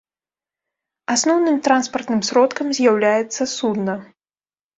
Асноўным транспартным сродкам з'яўляецца судна.